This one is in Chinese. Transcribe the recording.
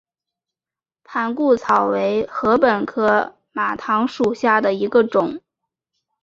盘固草为禾本科马唐属下的一个种。